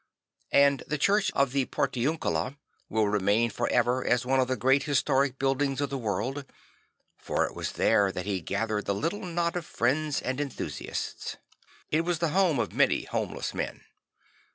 And the church of the Portiuncula will remain for ever as one of the great historic buildings of the ,vorld; for it ,vas there that he gathered the little knot of friends and enthusiasts; it was the home of many homeless men.